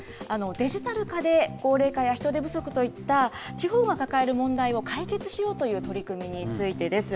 デジタル化で、高齢化や人手不足といった地方が抱える問題を解決しようという取り組みについてです。